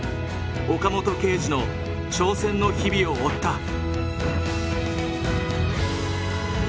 岡本圭司の挑戦の日々を追った。